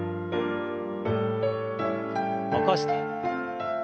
起こして。